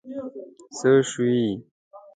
څه شوي؟